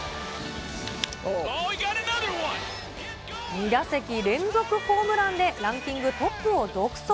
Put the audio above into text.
２打席連続ホームランで、ランキングトップを独走。